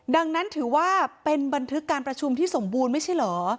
ดังนั้นถือว่าเป็นบันทึกการประชุมที่สมบูรณ์ไม่ใช่เหรอ